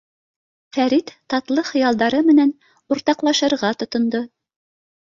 — Фәрит татлы хыялдары менән уртаҡлашырға тотондо.